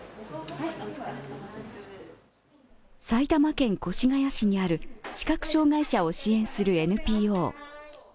埼玉県越谷市にある視覚障害者を支援するＮＰＯ。